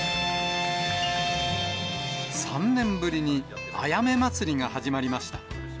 ３年ぶりに、あやめ祭りが始まりました。